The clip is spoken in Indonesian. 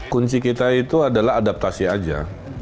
kunci kita itu adalah adaptasi aja